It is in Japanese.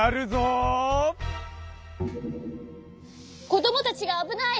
こどもたちがあぶない！